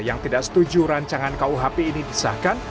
yang tidak setuju rancangan kuhp ini disahkan